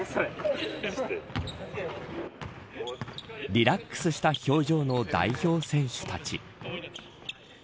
リラックスした表情の代表選手たち。